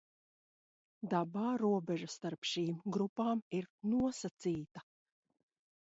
Dabā robeža starp šīm grupām ir nosacīta.